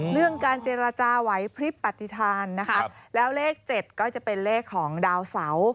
เรื่องการเจรจาไหวพลิบปฏิฐานนะคะแล้วเลข๗ก็จะเป็นเลขของดาวเสา